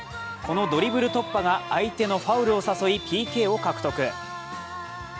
このドリブル突破が相手のファウルを誘いＰＫを獲得。